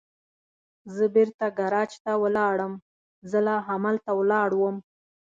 زه بېرته ګاراج ته ولاړم، زه لا همالته ولاړ ووم.